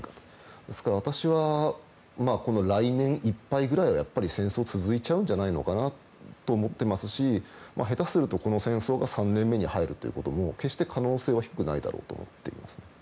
ですから私は来年いっぱいぐらいは戦争は続いちゃうんじゃないのかなと思ってますし下手すると、この戦争が３年目に入るということも決して可能性は低くないだろうと思っています。